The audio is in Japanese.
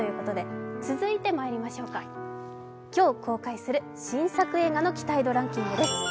続いて、今日公開する新作映画の期待度ランキングです。